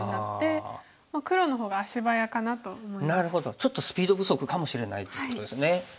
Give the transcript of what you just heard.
ちょっとスピード不足かもしれないということですね。